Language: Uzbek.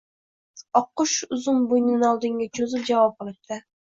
Oqqush uzun bo‘ynini oldinga cho‘zib javob qilibdi: